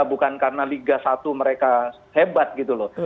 bukan karena liga satu mereka hebat gitu loh